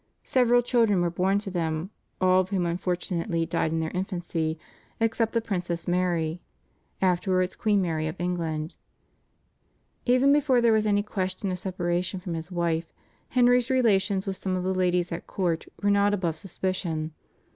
Several children were born to them, all of whom unfortunately died in their infancy except the Princess Mary, afterwards Queen Mary of England. Even before there was any question of separation from his wife, Henry's relations with some of the ladies at court were not above suspicion.